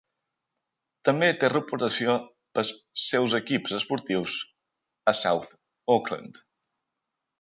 També té reputació pels seus equips esportius a South Auckland.